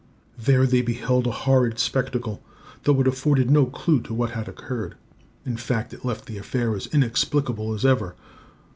There they beheld a horrid spectacle, though it afforded no clue to what had occurred. In fact it left the affair as inexplicable as ever.